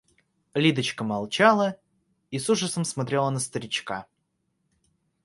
Лидочка молчала и с ужасом смотрела на старичка.